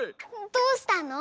どうしたの？